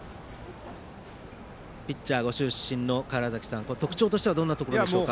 ピッチャーご出身の川原崎さん特徴としてはどんなところでしょうか。